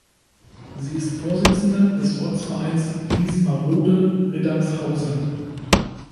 Sie ist Vorsitzende des Ortsvereins Gliesmarode-Riddagshausen.